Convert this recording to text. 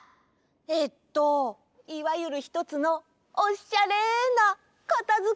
えっといわゆるひとつのおしゃれなかたづけばしょを！